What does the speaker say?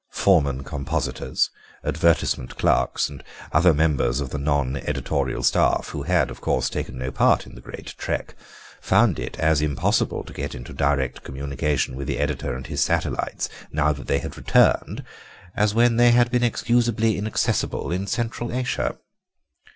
Foreman compositors, advertisement clerks, and other members of the non editorial staff, who had, of course, taken no part in the great trek, found it as impossible to get into direct communication with the editor and his satellites now that they had returned as when they had been excusably inaccessible in Central Asia.